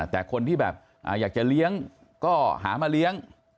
แต่คนที่แบบอยากจะเลี้ยงก็หามาเลี้ยง